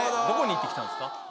どこに行ってきたんですか？